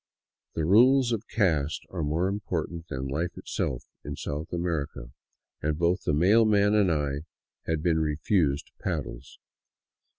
The rules of caste are more important than life itself in South America, and both the mail man and I had been refused paddles.